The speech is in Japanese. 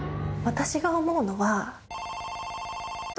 私が思うのは。